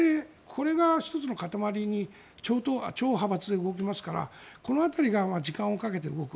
これが１つの塊に超派閥で動きますからこの辺りが時間をかけて動く。